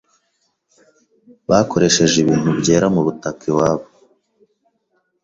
bakoresheje ibintu byera mu butaka iwabo.